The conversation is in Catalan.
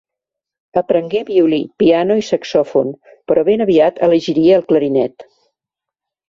Aprengué violí, piano i saxofon, però ben aviat elegiria el clarinet.